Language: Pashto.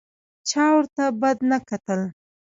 چا ورته بد نه کتل.